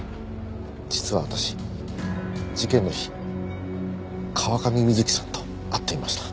実は私事件の日川上美月さんと会っていました。